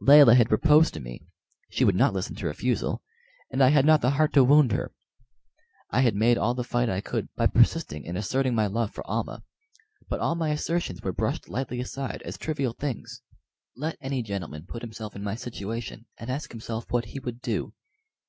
Layelah had proposed to me, she would not listen to refusal, and I had not the heart to wound her. I had made all the fight I could by persisting in asserting my love for Almah, but all my assertions were brushed lightly aside as trivial things. Let any gentleman put himself in my situation, and ask himself what he would do.